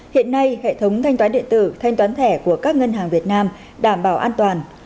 hiện nay hệ thống thanh toán điện tử thanh toán thẻ của các ngân hàng việt nam đảm bảo an toàn